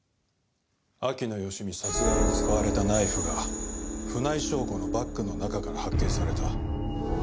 秋野芳美殺害に使われたナイフが船井翔子のバッグの中から発見された。